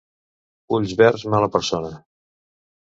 Ulls verds, mala persona.